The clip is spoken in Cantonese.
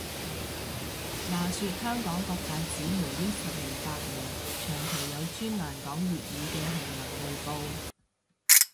話說香港各大紙媒呢十年八年，長期有專欄講粵語嘅係文匯報